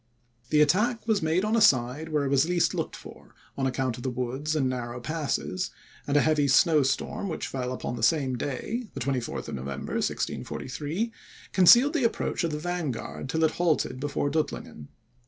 The attack was made on a side where it was least looked for, on account of the woods and narrow passes, and a heavy snow storm which fell upon the same day, (the 24th November, 1643,) concealed the approach of the vanguard till it halted before Duttlingen.